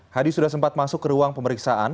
hadi sudah sempat masuk ke ruang pemeriksaan